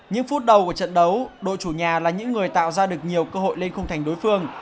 những phút đầu của trận đấu đội chủ nhà là những người tạo ra được nhiều cơ hội lên khung thành đối phương